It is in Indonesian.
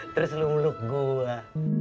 terus lo ngeluk gue